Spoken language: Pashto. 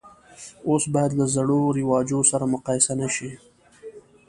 اوس باید له زړو رواجو سره مقایسه نه شي.